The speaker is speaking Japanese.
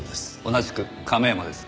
同じく亀山です。